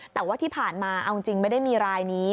แต่ว่าที่ผ่านมาเอาจริงไม่ได้มีรายนี้